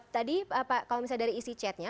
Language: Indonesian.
tadi kalau misalnya dari isi chatnya